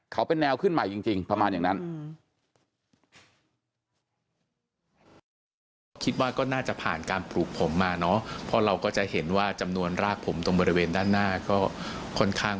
เขาเป็นแนวขึ้นใหม่จริงประมาณอย่างนั้น